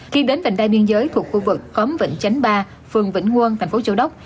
khi đến vành đai biên giới thuộc khu vực khóm vĩnh chánh ba phường vĩnh quân thành phố châu đốc